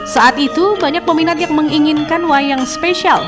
saat itu banyak peminat yang menginginkan wayang spesial